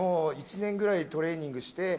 １年ぐらいトレーニングして。